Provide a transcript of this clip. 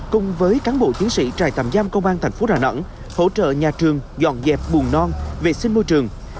cùng với cán bộ chiến sĩ trại tạm giam công an thành phố đà nẵng hỗ trợ nhà trường dọn dẹp bùn non vệ sinh môi trường